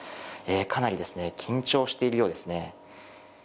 かなり緊張しているようですね。